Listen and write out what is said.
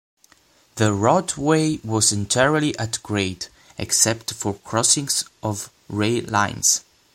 The roadway was entirely at-grade except for crossings of rail lines.